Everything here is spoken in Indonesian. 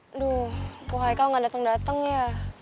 aduh kok haikal gak dateng dateng ya